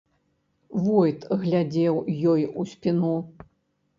Войт глядзеў ёй у спіну.